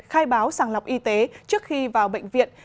khai báo sàng lọc y tế trước khi vào bệnh viện